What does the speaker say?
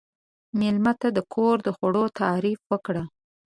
مېلمه ته د کور د خوړو تعریف وکړئ.